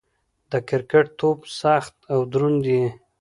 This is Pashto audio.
د کرکټ توپ سخت او دروند يي.